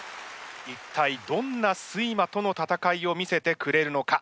一体どんな睡魔との戦いを見せてくれるのか。